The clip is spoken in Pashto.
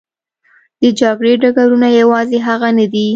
د جګړې ډګرونه یوازې هغه نه دي.